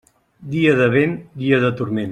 Dia de vent, dia de turment.